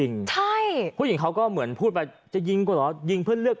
แล้วเขาคิดว่าจะยิงจริง